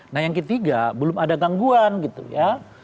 nah yang ketiga belum ada gangguan gitu ya